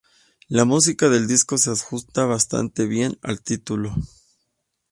La música del disco se ajusta bastante bien al título.